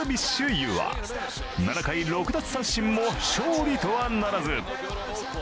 有は７回６奪三振も勝利とはならず。